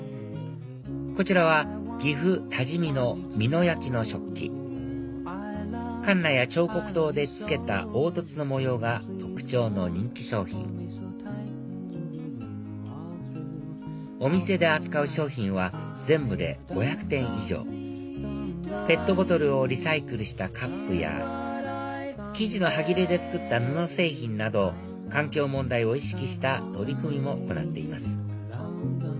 こちらは岐阜・多治見の美濃焼の食器かんなや彫刻刀で付けた凹凸の模様が特徴の人気商品お店で扱う商品は全部で５００点以上ペットボトルをリサイクルしたカップや生地の端切れで作った布製品など環境問題を意識した取り組みも行っています